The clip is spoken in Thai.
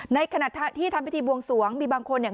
ในขณะที่ทำพิธีบวงสวงมีบางคนเนี่ย